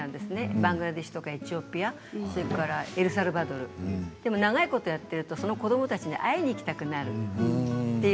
バングラデシュとかエチオピア、エルサルバドルでも長いことやっているとその子どもたちに会いに行きたくなるの。